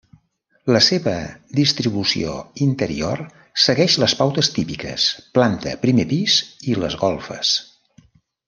La seva distribució interior segueix les pautes típiques: planta, primer pis i les golfes.